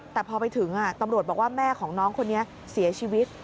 แต่พอไปถึงตำรวจบอกว่าแม่ของน้องคนนี้เสียชีวิต